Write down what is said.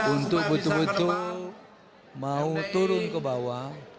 untuk betul betul mau turun ke bawah